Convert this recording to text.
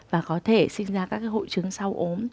và có thể sinh ra các hội chứng sau ốm